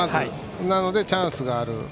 なので、チャンスがある。